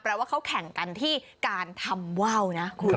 ว่าเขาแข่งกันที่การทำว่าวนะคุณ